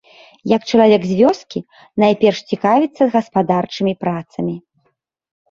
Як чалавек з вёскі, найперш цікавіцца гаспадарчымі працамі.